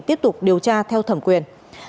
tiếp tục điều tra theo thẩm quyền